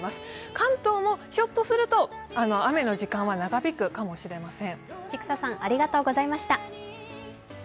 関東もひょっとすると、雨の時間は長引くかもしれません。